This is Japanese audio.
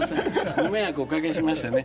ご迷惑をおかけしましたね。